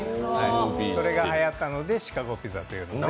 それがはやったので、シカゴピザということで。